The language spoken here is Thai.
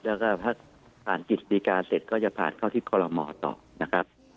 แล้วก็ถ้าผ่านกิจดีกาเสร็จก็จะผ่านเข้าที่คอลโลมต่อนะครับ